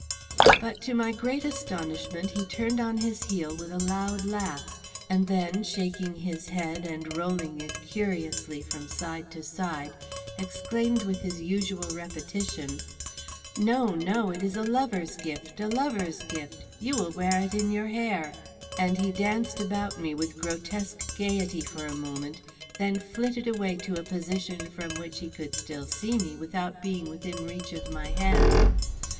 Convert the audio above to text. But, to my great astonishment, he turned on his heel with a loud laugh, and then, shaking his head, and rolling it curiously from side to side, exclaimed, with his usual repetition: "No, no, it is a lover's gift, a lover's gift; you will wear it in your hair." And he danced about me with grotesque gayety for a moment, then flitted away to a position from which he could still see me without being within reach of my hand.